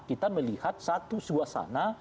kita melihat satu suasana